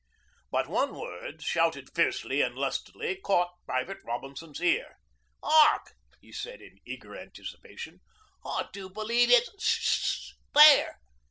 But one word, shouted fiercely and lustily, caught Private Robinson's ear. ''Ark!' he said in eager anticipation. 'I do believe it's s sh! There!'